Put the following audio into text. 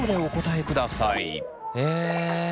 え。